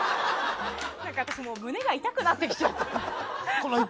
私、胸が痛くなってきちゃった。